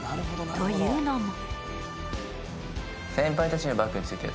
というのも。